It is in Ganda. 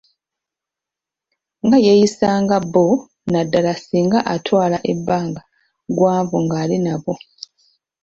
Nga yeeyisa nga bo naddala singa atwala ebbanga ggwanvuko nga ali nabo.